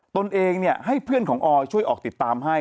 ตนเองให้เพื่อนของออยช่วยออกติดตามให้